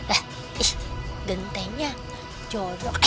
eh ih gentengnya jorok